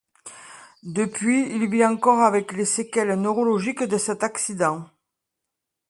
Depuis il vit encore avec les séquelles neurologiques de cet accident.